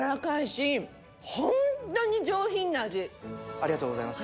ありがとうございます